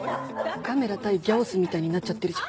ガメラ対ギャオスみたいになっちゃってるじゃん。